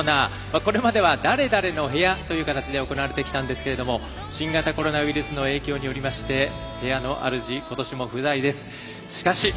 これまでは「○○の部屋」で行われてきたんですけれども新型コロナウイルスの影響によりまして部屋のあるじ、ことしも不在です。